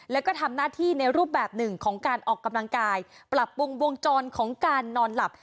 แล้วก็ทำหน้าที่ในรูปแบบหนึ่งของการออกกำลังกายปรับปรุงวงจรของการนอนหลับ